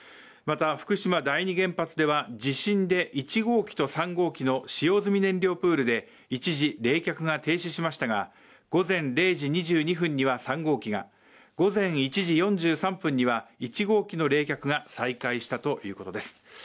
また福島第２原発では、地震で、１号機と３号機の使用済燃料プールで１次冷却が停止しましたが、午前零時２２分には３号機が午前１時４３分には、１号機の冷却が再開したということです。